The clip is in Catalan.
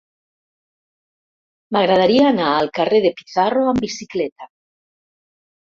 M'agradaria anar al carrer de Pizarro amb bicicleta.